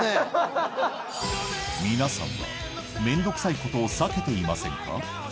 皆さんはめんどくさいことを避けていませんか？